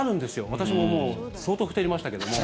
私も相当ふてりましたけども。